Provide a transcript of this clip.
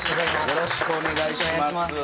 よろしくお願いします。